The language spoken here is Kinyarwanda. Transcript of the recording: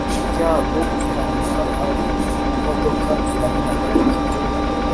ibyago ihanuka ari mu modoka iramenagurika.